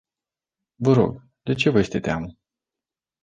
Vă rog, de ce vă este teamă?